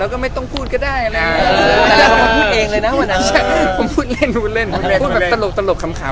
ก็ไม่ต้องพูดก็ได้ผมพูดเองเลยนะผมพูดเล่นพูดแบบตลกคำเฉย